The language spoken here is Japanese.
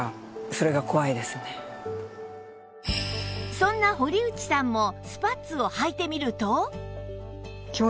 そんな堀内さんもスパッツをはいてみると